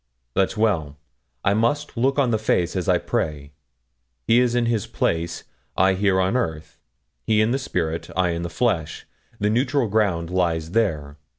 'That's well. I must look on the face as I pray. He is in his place; I here on earth. He in the spirit; I in the flesh. The neutral ground lies there.